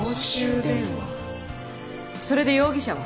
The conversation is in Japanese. それで容疑者は？